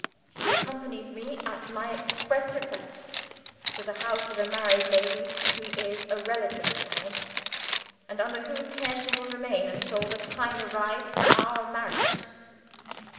She accompanies me, at my express request, to the house of a married lady who is a relative of mine, and under whose care she will remain, until the time arrives for our marriage.